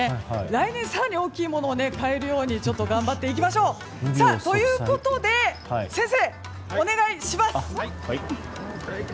来年更に大きいものを買えるようにしていきましょう。ということで先生、お願いします。